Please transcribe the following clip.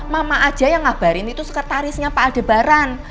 mama aja yang ngabarin itu sekretarisnya pak adebaran